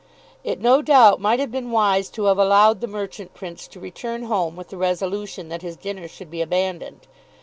It no doubt might have been wise to have allowed the merchant prince to return home with the resolution that his dinner should be abandoned.